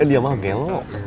eh diam aja gel